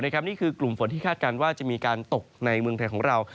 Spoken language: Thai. นี่คือกลุ่มฝนที่คาดการณ์ว่าจะมีการตกในเมืองไทยของเรา